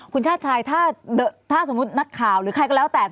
คุณชาติชายถ้าสมมุตินักข่าวหรือใครก็แล้วแต่